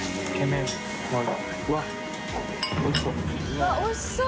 わっおいしそう！